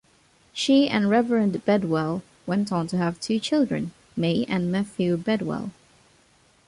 She and Reverend Bedwell went on to have two children, May and Matthew Bedwell.